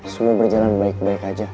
semua berjalan baik baik aja